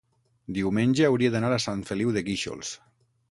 diumenge hauria d'anar a Sant Feliu de Guíxols.